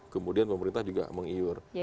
kemudian pemerintah juga mengiur